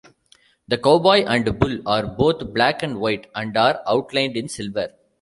The cowboy and bull are both black and white and are outlined in silver.